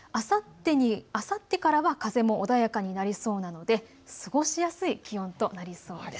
あさってからは風も穏やかになりそうなので過ごしやすい気温となりそうです。